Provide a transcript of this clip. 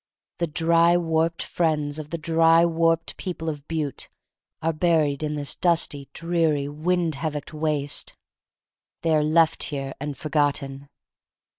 The dry, warped friends of the dry, warped people of Butte are buried in this dusty, dreary, wind havocked waste. They are left here and forgotten.